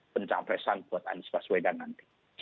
pencapresan buat anies baswedan nanti